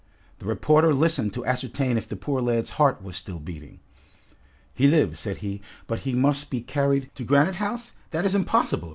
The reporter listened to ascertain if the poor lad's heart was still beating. "He lives," said he, "but he must be carried " "To Granite House? that is impossible!"